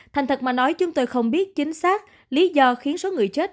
thành thật mà nói chúng tôi không biết chính xác lý do khiến số người chết